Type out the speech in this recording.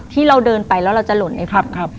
ที่เราเดินไปแล้วเราจะหล่นในฝัน